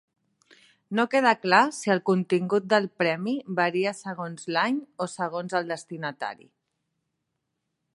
No queda clar si el contingut del premi varia segons l'any o segons el destinatari.